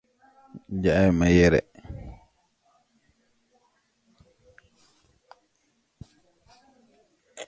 The company was also said to be the originator of the classic golf shirt.